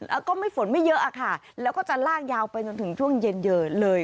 แล้วก็ไม่ฝนไม่เยอะอะค่ะแล้วก็จะลากยาวไปจนถึงช่วงเย็นเลย